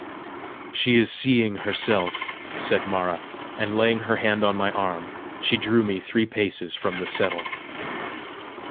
"She is seeing herself!" said Mara; and laying her hand on my arm, she drew me three paces from the settle.